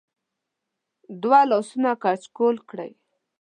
د وه لاسونه کچکول کړی